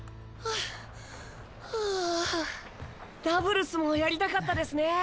ダブルスもやりたかったですね。